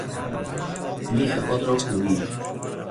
میخ خود را کوبیدن